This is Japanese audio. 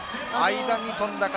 間に飛んだ形。